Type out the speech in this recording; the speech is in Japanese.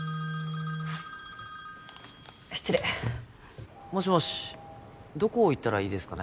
失礼もしもしどこ行ったらいいですかね？